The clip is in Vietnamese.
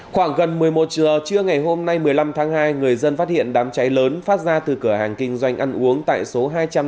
khoảng gần một mươi một giờ trưa ngày hôm nay một mươi năm tháng hai người dân phát hiện đám cháy lớn phát ra từ cửa hàng kinh doanh ăn uống tại số hai trăm ba mươi